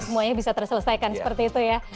semuanya bisa terselesaikan seperti itu ya